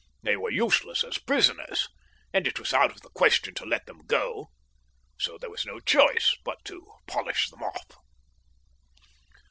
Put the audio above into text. They were useless as prisoners, and it was out of the question to let them go, so there was no choice but to polish them off.